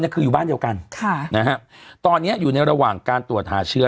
คืออยู่บ้านเดียวกันค่ะนะฮะตอนนี้อยู่ในระหว่างการตรวจหาเชื้อ